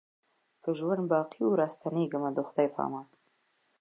که ژوند باقي وو را ستنېږمه د خدای په امان